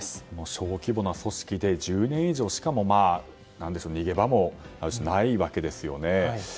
小規模な組織で１０年以上しかも逃げ場もないわけですよね。